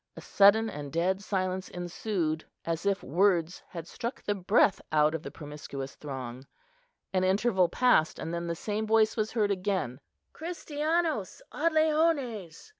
A sudden and dead silence ensued, as if the words had struck the breath out of the promiscuous throng. An interval passed; and then the same voice was heard again, "Christianos ad leones!"